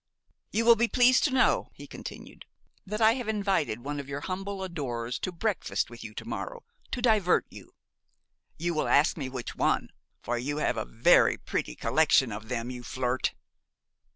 "You will be pleased to know," he continued, "that I have invited one of your humble adorers to breakfast with you to morrow, to divert you. You will ask me which one; for you have a very pretty collection of them, you flirt!"